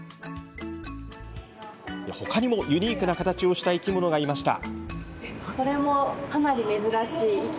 他にも、ユニークな形をした生き物がいました。